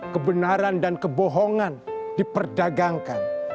kebenaran dan kebohongan diperdagangkan